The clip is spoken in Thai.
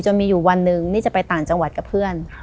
มีอยู่วันหนึ่งนี่จะไปต่างจังหวัดกับเพื่อน